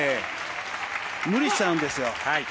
無理しちゃうんですよ。